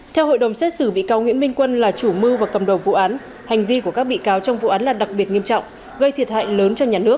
theo hội đồng xét xử bị cáo nguyễn minh quân là chủ mưu và cầm đầu vụ án hành vi của các bị cáo trong vụ án là đặc biệt nghiêm trọng gây thiệt hại lớn cho nhà nước